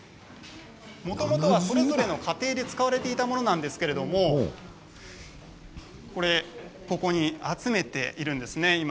もともとそれぞれの家庭で使われていたものなんですけれどもここに集めているんですね、今。